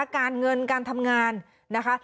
การเงินการทำงานนะคะ